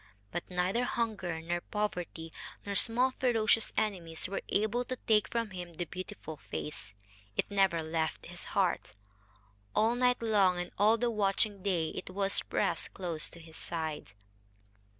But neither hunger, nor poverty, nor small ferocious enemies were able to take from him the beautiful face. It never left his heart. All night long and all the watching day it was pressed close to his side.